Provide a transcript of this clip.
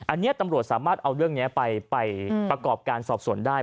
อันนี้ตำรวจสามารถเอาเรื่องนี้ไปประกอบการสอบส่วนได้